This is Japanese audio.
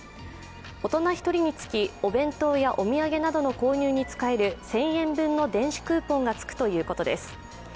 大人１人につきお弁当やお土産などの購入に使える１０００円分の電子クーポンがつくということです。